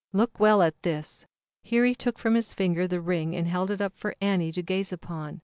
Look well at this!" Here he took from his finger the ring, and held it up for Annie to gaze upon.